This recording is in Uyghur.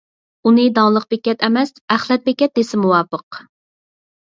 ئۇنى داڭلىق بېكەت ئەمەس، ئەخلەت بېكەت دېسە مۇۋاپىق.